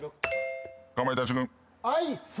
かまいたち軍。